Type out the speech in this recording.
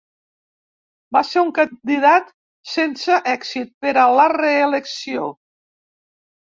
Va ser un candidat sense èxit per a la reelecció.